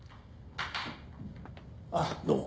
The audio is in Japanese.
あどうも。